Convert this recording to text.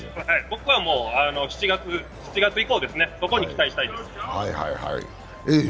僕は７月以降に期待したいです。